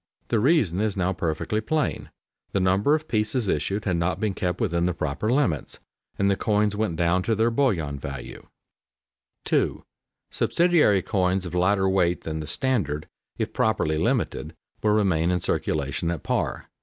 The reason is now perfectly plain: the number of pieces issued had not been kept within the proper limits, and the coins went down to their bullion value. [Sidenote: Difficulties with full weight subsidiary coins] 2. _Subsidiary coins of lighter weight than the standard, if properly limited, will remain in circulation at par.